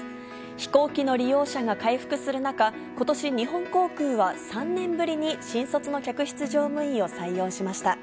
飛行機の利用者が回復する中、ことし、日本航空は、３年ぶりに新卒の客室乗務員を採用しました。